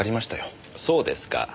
そうですか。